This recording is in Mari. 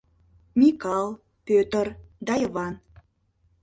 Микал, Пӧтыр да Йыван.